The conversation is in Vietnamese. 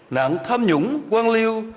nạn tham nhũng quan liêu